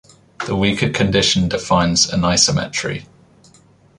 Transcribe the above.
The weaker condition defines an "isometry".